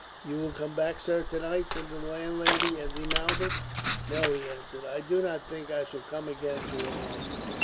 "You will come back, sir, to night?" said the landlady, as he mounted. "No," he answered, "I do not think I shall come again to Ramelton."